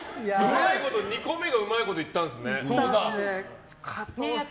２個目がうまくいったんですね。